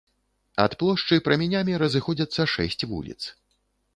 Ад плошчы праменямі разыходзяцца шэсць вуліц.